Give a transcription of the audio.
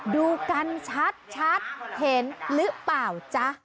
ดูกันชัดเห็นหรือเปล่าจ๊ะ